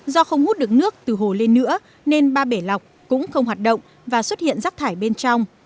do không hút được nước từ hồ lên nữa nên ba bể lọc cũng không hoạt động và xuất hiện rác thải bên trong